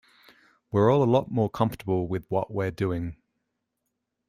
We're all a lot more comfortable with what we're doing.